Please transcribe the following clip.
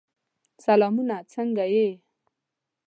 سلامونه! څنګه یې؟